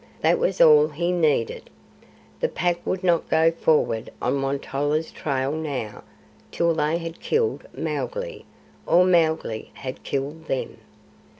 That was all he needed. The Pack would not go forward on Won tolla's trail now till they had killed Mowgli or Mowgli had killed them.